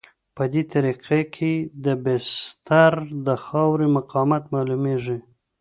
په دې طریقه کې د بستر د خاورې مقاومت معلومیږي